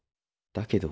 だけど。